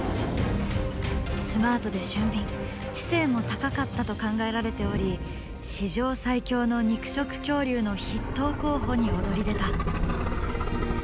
スマートで俊敏知性も高かったと考えられており史上最強の肉食恐竜の筆頭候補に躍り出た。